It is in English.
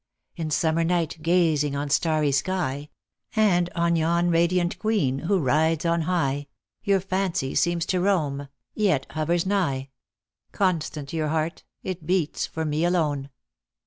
In summer night, gazing on starry sky, And on yon radiant queen, who rides on high, Your fancy seems to roam, yet hovers nigh ; Constant your heart ; it beats for me alone.